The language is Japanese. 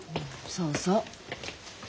そうそう。